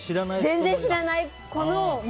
全然、知らない子の。